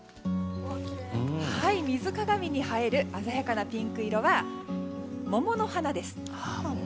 水鏡に映える鮮やかなピンク色は桃の花です。